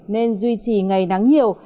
nên duy trì ngày nắng nhiều